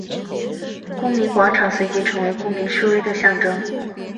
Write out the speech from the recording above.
公民广场随即成为公民示威的象征。